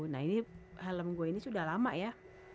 nah ini helm gue ini sudah lama ya